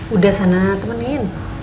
udah sana temenin